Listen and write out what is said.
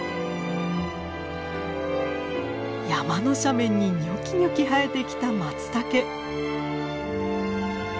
山の斜面にニョキニョキ生えてきたマツタケ。